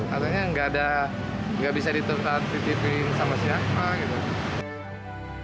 katanya nggak bisa ditetapkan sama siapa